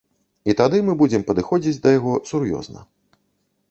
І тады мы будзем падыходзіць да яго сур'ёзна.